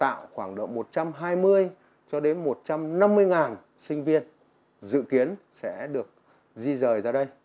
đào tạo khoảng độ một trăm hai mươi cho đến một trăm năm mươi sinh viên dự kiến sẽ được di rời ra đây